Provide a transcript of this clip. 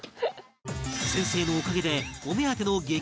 先生のおかげでお目当ての激